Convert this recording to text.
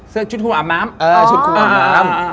เสื้อชุดหัวอำน้ำ